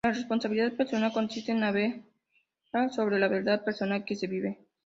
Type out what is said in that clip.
La responsabilidad personal consiste en hablar sobre la verdad personal que se vive.